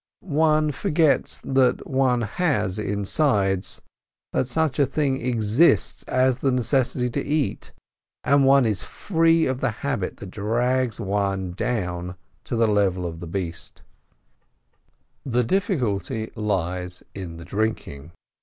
One forgets that one has insides, that such a thing exists as the necessity to eat, and one is free of the habit that drags one down to the level of the beast. AN EASY FAST 149 The difficulty lies in the drinking!